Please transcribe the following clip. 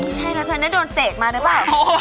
ใช่นะจะได้โดนเสกมาหรือป่าว